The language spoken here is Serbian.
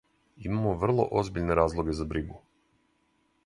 Имамо врло озбиљне разлоге за бригу.